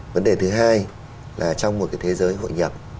vấn đề thứ hai là trong một cái thế giới hội nhập